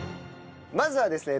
まずはですね